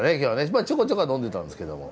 まあちょこちょこは呑んでたんですけども。